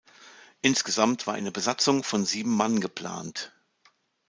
Insgesamt war eine Besatzung von sieben Mann geplant.